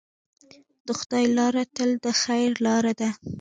د خدای لاره تل د خیر لاره ده.